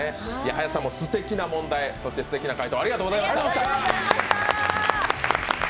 林さんもすてきな問題、そしてすてきな解答、ありがとうございました。